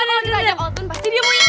kalo kita ada outbound pasti dia mau ikut